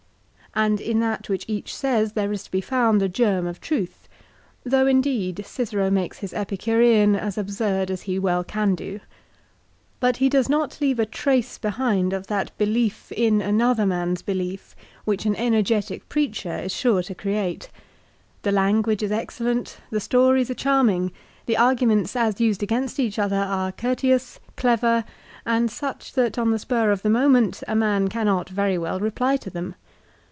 And in that which each says there is to be found a germ of truth ; though indeed Cicero makes his Epicurean as absurd as he well can do. But he does not leave a trace behind of that belief in another man's belief which an energetic preacher is sure to create. The language is excellent, the stories are charming, the arguments as used against each other, are courteous, clever, and such that on the spar of the moment a man cannot very well reply to them.